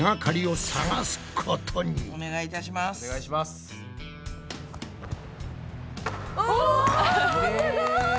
すごい！